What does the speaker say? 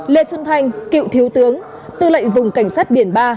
lê xuân thanh cựu thiếu tướng tư lệnh vùng cảnh sát biển ba